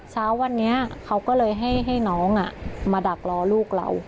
เช้าวันนี้เขาก็เลยให้น้องมาดักรอลูกเรา